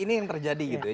ini yang terjadi gitu ya